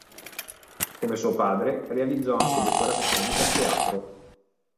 Come suo padre, realizzò anche decorazioni per teatro.